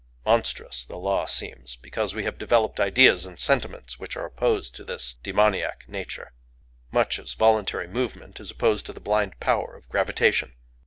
Monstrous the law seems, because we have developed ideas and sentiments which are opposed to this demoniac Nature,—much as voluntary movement is opposed to the blind power of gravitation.